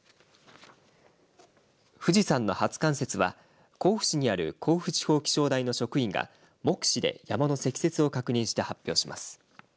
富士山の初冠雪は甲府市にある甲府地方気象台の職員が目視で山の積雪を確認して発表します。